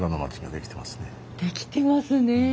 できてますね。